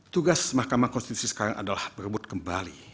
tugas mahkamah konstitusi sekarang adalah berebut kembali